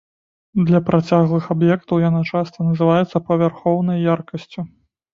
Для працяглых аб'ектаў яна часта называецца павярхоўнай яркасцю.